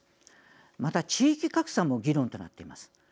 また、地域格差も議論となっています。